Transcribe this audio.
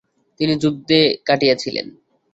তিনি যুদ্ধে কাটিয়েছিলেন।